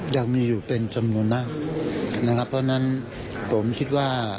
ยังมีอยู่เป็นจำนวนมากนะครับเพราะฉะนั้นผมคิดว่า